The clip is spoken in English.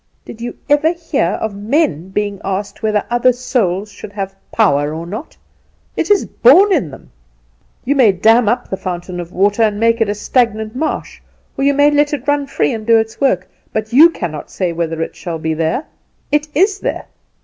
Did you ever hear of men being asked whether other souls should have power or not? It is born in them. You may dam up the fountain of water, and make it a stagnant marsh, or you may let it run free and do its work; but you cannot say whether it shall be there; it is there.